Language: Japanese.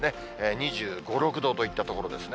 ２５、６度といったところですね。